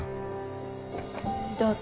どうぞ。